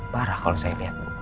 parah kalau saya lihat bu